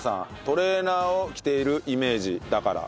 トレーナーを着ているイメージだから。